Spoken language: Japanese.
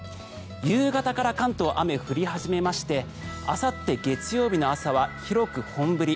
夕方から関東は雨が降り始めましてあさって月曜日の朝は広く本降り。